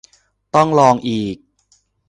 ต้องลองอีก